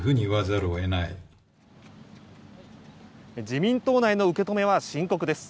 自民党内の受け止めは深刻です。